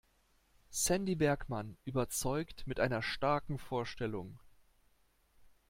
Sandy Bergmann überzeugt mit einer starken Vorstellung.